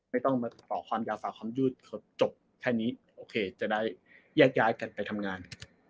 ไม่ต้องมาต่อความยาวฝากความยืดจบแค่นี้โอเคจะได้แยกย้ายกันไปทำงาน